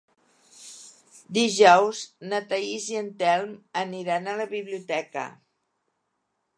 Dijous na Thaís i en Telm aniran a la biblioteca.